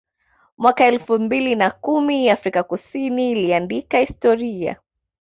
Mwaka elfu mbili na kumi Afrika Kusini iliandika historia